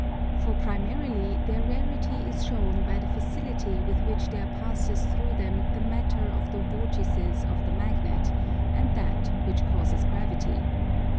For primarily their rarity is shown by the facility with which there passes through them the matter of the vortices of the magnet, and that which causes gravity.